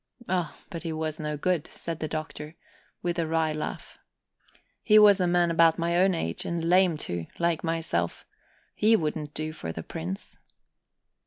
"Oh, but he was no good," said the Doctor, with a wry laugh. "He was a man about my own age, and lame, too, like myself. He wouldn't do for the prince."